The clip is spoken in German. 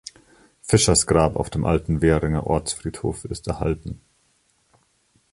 Fischers Grab auf dem alten Währinger Ortsfriedhof ist erhalten.